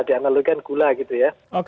dianalogikan gula gitu ya